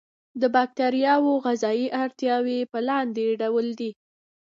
د باکتریاوو غذایي اړتیاوې په لاندې ډول دي.